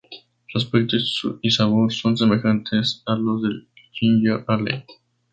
Su aspecto y sabor son semejantes a los del ginger ale.